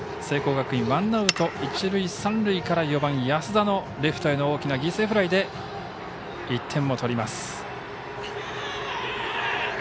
聖光学院ワンアウト、一塁三塁から４番、安田のレフトへの大きな犠牲フライで１点を取ります。